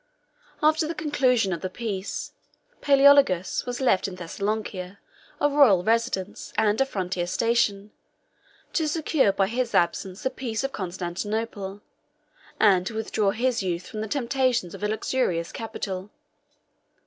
After the conclusion of the peace, Palæologus was left at Thessalonica, a royal residence, and a frontier station, to secure by his absence the peace of Constantinople, and to withdraw his youth from the temptations of a luxurious capital.